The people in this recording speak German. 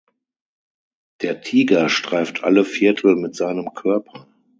Der Tiger streift alle Viertel mit seinem Körper.